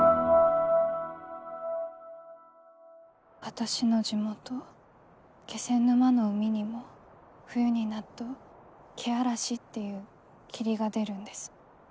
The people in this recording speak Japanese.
私の地元気仙沼の海にも冬になっとけあらしっていう霧が出るんです。